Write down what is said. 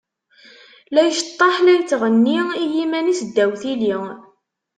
La iceṭṭeḥ, la yettɣenni i yiman-is ddaw tili.